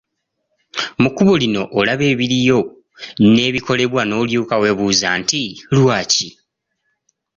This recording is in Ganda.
Mu kkubo lino olaba ebiriwo n'ebikolebwa n'olyoka weebuuza nti: Lwaki?